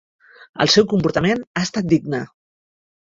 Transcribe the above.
El seu comportament ha estat digne.